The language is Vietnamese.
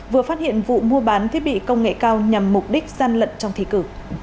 vừa phát hiện vụ mua bán thiết bị công nghệ cao nhằm mục đích gian lận trong thi cử